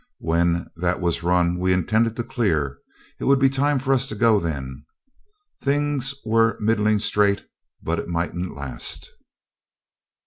When that was run we intended to clear. It would be time for us to go then. Things were middling straight, but it mightn't last.